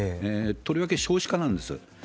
とりわけ少子化なんです。